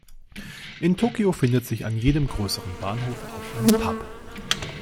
In Tokio findet sich an jedem größeren Bahnhof auch ein Pub.